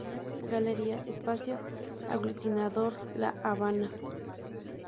Galería Espacio Aglutinador, La Habana.